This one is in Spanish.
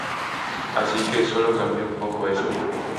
Así que solo cambio un poco eso.